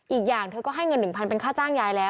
อีกอย่างเธอก็ให้เงิน๑๐๐เป็นค่าจ้างยายแล้ว